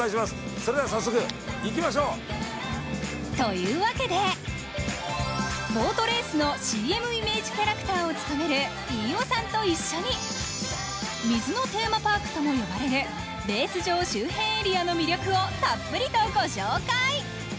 それではさっそく行きましょう！というわけで、ボートレースのＣＭイメージキャクラターを務める飯尾さんと一緒に、水のテーマパークとも呼ばれるレース場周辺エリアの魅力をたっぷりとご紹介。